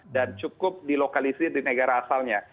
dan cukup dilokalisir di negara asalnya